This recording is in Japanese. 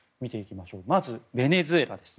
まずベネズエラです。